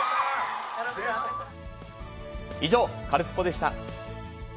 以上、カルスポっ！でした。